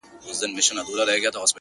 تا ولي په سوالونو کي سوالونه لټوله ـ